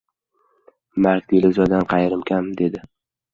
"Mark Deluzdan qayerim kam? — dedi.